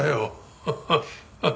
ハハハ。